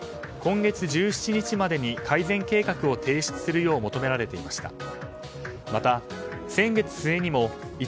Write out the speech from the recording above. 今月１７日までに改善計画を提出するよう求められていました。